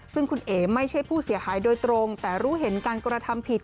ซึ่งคุณเอ๋ไม่ใช่ผู้เสียหายโดยตรงแต่รู้เห็นการกระทำผิด